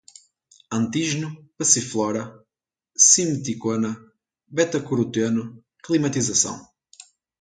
antígeno, passiflora, simeticona, betacoroteno, climatização